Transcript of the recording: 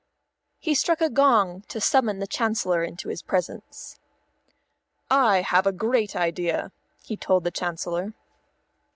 _" He struck a gong to summon the Chancellor into his presence. "I have a great idea," he told the Chancellor.